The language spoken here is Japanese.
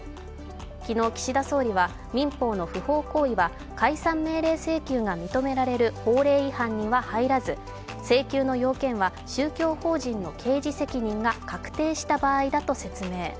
昨日、岸田総理は民法の不法行為は解散命令請求が認められる法令違反には入らず請求の要件は、宗教法人の刑事責任が確定した場合だと説明。